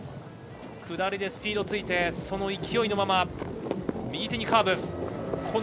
下りでスピードがついてその勢いのまま右手にカーブ。